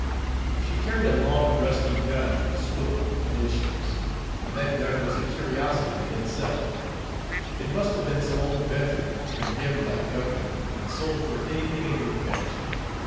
She carried a long, rusty gun, on a swivel, amid ships; and that gun was a curiosity in itself. It must have been some old veteran, condemned by the government, and sold for any thing it would fetch.